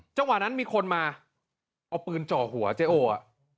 จังหวะนั้นมีคนมาเอาปืนจ่อหัวเจ๊โออ่ะ